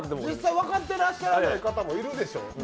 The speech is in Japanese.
実際、分かってらっしゃる方もいるでしょう。